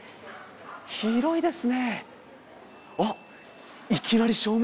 広いですね。